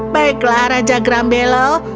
baiklah raja grambelo